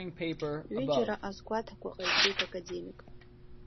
Ҩыџьара азгәаҭақәа ҟаиҵеит академик.